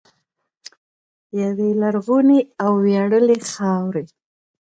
یوې لرغونې او ویاړلې خاورې.